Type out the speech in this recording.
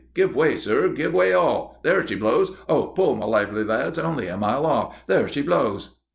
"Give way, sir! Give way all!" "There she blows! Oh, pull, my lively lads! Only a mile off!" "There she blows!"